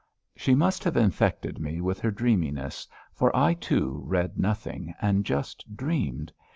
She must have infected me with her dreaminess, for I, too, read nothing and just dreamed.